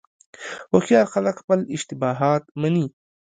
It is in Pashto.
هوښیار خلک خپل اشتباهات مني.